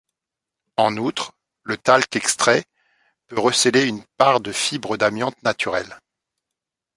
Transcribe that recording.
En outre, le talc extrait peut receler une part de fibres d'amiante naturelle.